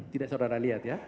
tidak saudara lihat ya